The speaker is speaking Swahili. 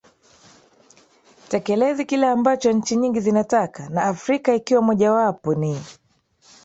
tekelezi kile ambacho nchi nyingi zinataka na afrika ikiwa moja wapo ni